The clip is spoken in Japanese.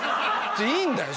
いいんだよ！